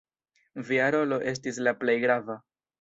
Via rolo estis la plej grava.